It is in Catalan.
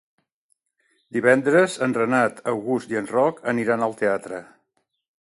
Divendres en Renat August i en Roc aniran al teatre.